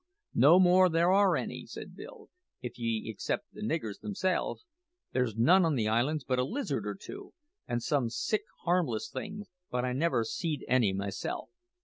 "No more there are any," said Bill, "if ye except the niggers themselves. There's none on the islands but a lizard or two, and some sich harmless things; but I never seed any myself.